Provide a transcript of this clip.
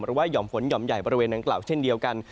หย่อมฝนหย่อมใหญ่บริเวณดังกล่าวเช่นเดียวกัน